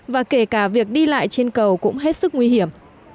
và kể cả việc đi lại trên cầu cũng hết sức nguy hiểm